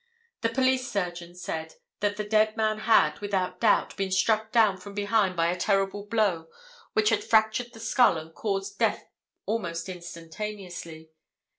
The police surgeon said that the dead man had, without doubt, been struck down from behind by a terrible blow which had fractured the skull and caused death almost instantaneously.